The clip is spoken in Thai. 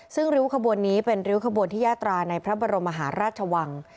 ซึ่งริ้วขบวนนี้เป็นริ้วขบวนที่ยาตราในพระบรมมหาราชวัง